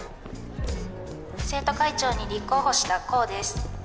生徒会長に立候補したこうです。